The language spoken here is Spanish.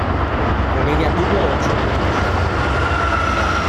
Con ella tuvo ocho hijos.